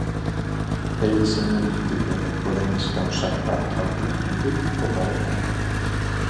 Bere diseinuen irudi bilakatuko den neska ausart bat aurkitu nahi du poparen erreginak.